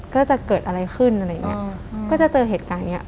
ก็จะเกิดอะไรขึ้นอะไรอย่างเงี้ยก็จะเจอเหตุการณ์เนี้ย